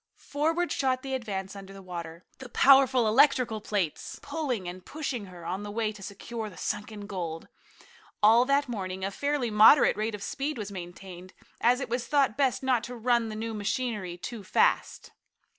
Forward shot the Advance under water, the powerful electrical plates pulling and pushing her on the way to secure the sunken gold. All that morning a fairly moderate rate of speed was maintained, as it was thought best not to run the new machinery too fast.